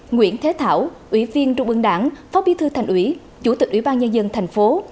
nguyễn thế thảo ủy viên trung ương đảng phó bí thư thành ủy chủ tịch ủy ban nhân dân thành phố